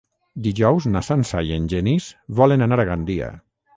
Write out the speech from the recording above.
Dijous na Sança i en Genís volen anar a Gandia.